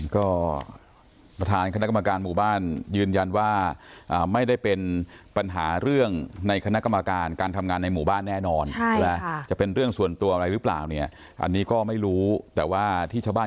ก็ประธานคณะกรรมการหมู่บ้านยืนยันว่าไม่ได้เป็นปัญหาเรื่องในคณะกรรมการ